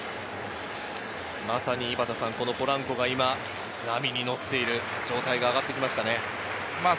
ポランコが今、波に乗っている状態で上がってきましたね。